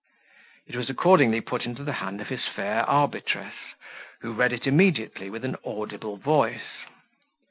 It was accordingly put into the hand of his fair arbitress, who read it immediately with an audible voice.